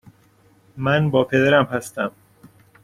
من با پدرم هستم.